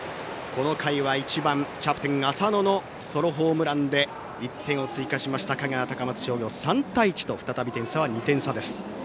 この回は１番キャプテン、浅野のソロホームランで１点を追加しました香川・高松商業、３対１と再び点差は２点差です。